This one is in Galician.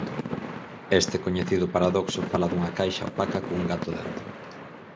Este coñecido paradoxo fala dunha caixa opaca cun gato dentro.